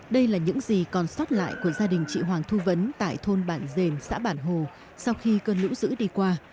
đây là những gì còn sót lại của gia đình chị hoàng thu vấn tại thôn bản dền xã bản hồ sau khi cơn lũ dữ đi qua